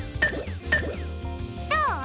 どう？